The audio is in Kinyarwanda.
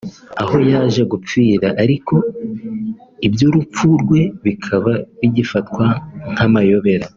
aho yaje gupfira ariko iby’urupfu rwe bikaba bigifatwa nk’amayobera